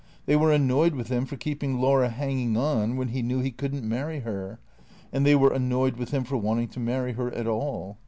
They were annoyed with him for keeping Laura hanging on when he knew he could n't marry her ; and tliey were annoyed with him for wanting to marry her at all.